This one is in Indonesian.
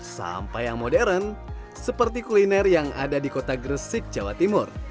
sampai yang modern seperti kuliner yang ada di kota gresik jawa timur